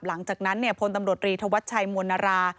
หลังจากนั้นพลตำรวจรีธวัชชัยมวลนารา